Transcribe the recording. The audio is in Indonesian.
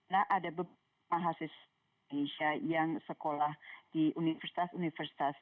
dan ada beberapa mahasiswa indonesia yang sekolah di universitas universitas